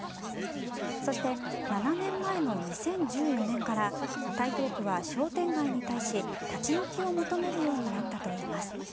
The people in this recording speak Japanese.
そして、７年前の２０１４年から台東区は商店街に対し立ち退きを求めるようになったといいます。